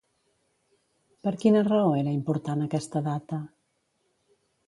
Per quina raó era important aquesta data?